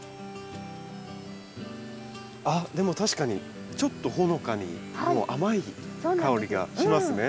あっでも確かにちょっとほのかに甘い香りがしますね。